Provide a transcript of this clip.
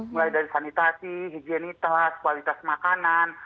mulai dari sanitasi higienitas kualitas makanan